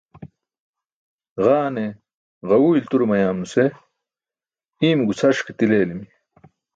Ġaane gaẏu ilturo mayaam nuse iimo gucʰaraṣ ke til eelimi